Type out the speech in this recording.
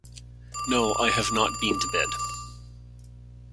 No, I have not been to bed.